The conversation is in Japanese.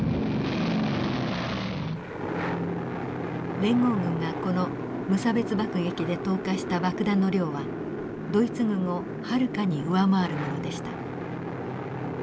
連合軍がこの無差別爆撃で投下した爆弾の量はドイツ軍をはるかに上回るものでした。